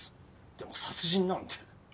でも殺人なんて。